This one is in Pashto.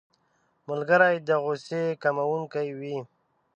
ملګری د غوسې کمونکی وي